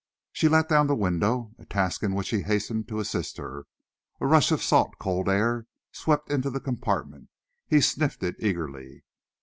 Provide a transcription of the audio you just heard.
She let down the window a task in which he hastened to assist her. A rush of salt, cold air swept into the compartment. He sniffed it eagerly.